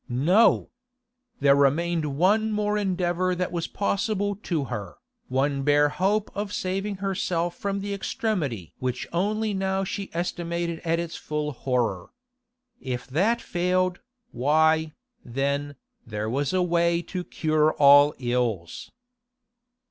No! There remained one more endeavour that was possible to her, one bare hope of saving herself from the extremity which only now she estimated at its full horror. If that failed, why, then, there was a way to cure all ills.